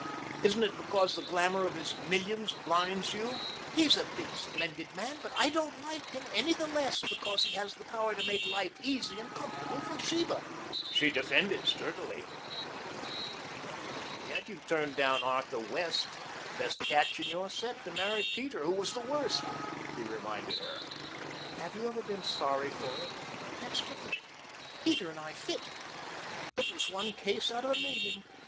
Isn't it because the glamour of his millions blinds you?" "He's a big, splendid man, but I don't like him any the less because he has the power to make life easy and comfortable for Sheba," she defended sturdily. "Yet you turned down Arthur West, the best catch in your set, to marry Peter, who was the worst," he reminded her. "Have you ever been sorry for it?" "That's different. Peter and I fit. It was one case out of a million."